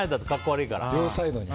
両サイドに。